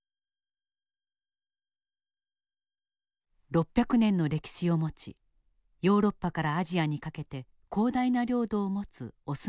６００年の歴史を持ちヨーロッパからアジアにかけて広大な領土を持つオスマン帝国。